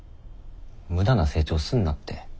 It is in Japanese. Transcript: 無駄な成長すんなって。